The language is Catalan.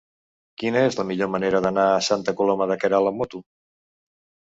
Quina és la millor manera d'anar a Santa Coloma de Queralt amb moto?